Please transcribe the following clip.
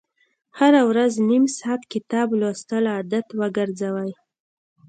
هره ورځ نیم ساعت کتاب لوستل عادت وګرځوئ.